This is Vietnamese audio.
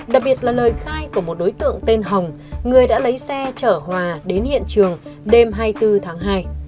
đặc biệt là lời khai của một đối tượng tên hồng người đã lấy xe chở hòa đến hiện trường đêm hai mươi bốn tháng hai